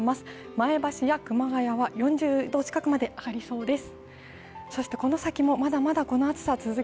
前橋や熊谷は４０度近くまで上がりそうです。